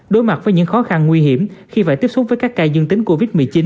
đối mặt với những khó khăn nguy hiểm khi phải tiếp xúc với các ca dương tính covid một mươi chín